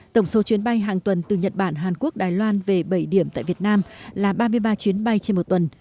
tổng số chuyến bay hàng tuần từ nhật bản hàn quốc đài loan về bảy điểm tại việt nam là ba mươi ba chuyến bay trên một tuần